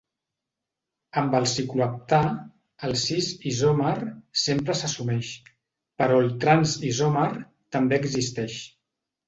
Amb el cicloheptà, el "cis"-isòmer sempre s'assumeix, però el "trans"-isòmer també existeix.